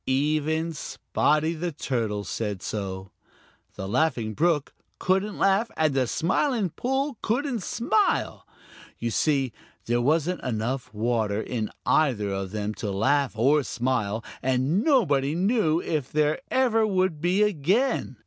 Even Spotty the Turtle said so. The Laughing Brook couldn't laugh, and the Smiling Pool couldn't smile. You see, there wasn't water enough in either of them to laugh or smile, and nobody knew if there ever would be again.